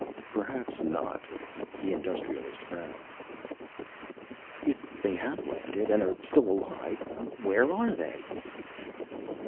"Perhaps not." The Industrialist frowned. "If they have landed, and are still alive, where are they?"